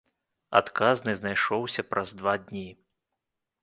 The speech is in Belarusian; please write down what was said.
Адказны знайшоўся праз два дні.